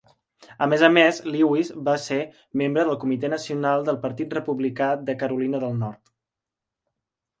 A més a més, Lewis va ser membre del comitè nacional del Partit Republicà de Carolina del Nord.